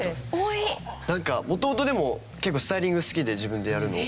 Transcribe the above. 元々でも結構スタイリング好きで自分でやるの。